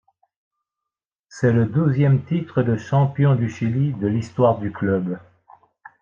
C'est le douzième titre de champion du Chili de l'histoire du club.